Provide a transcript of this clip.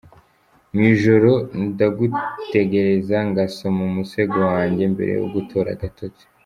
Mu ijoro dagutekereza ngasoma umusego wanjye mbere yo gutora agatotsi.